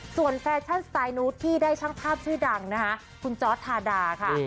ส่วนแฟชั่นสไตลูทที่ได้ช่างภาพชื่อดังนะคะคุณจอร์ดทาดาค่ะ